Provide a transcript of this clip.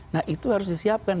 nah itu harus disiapkan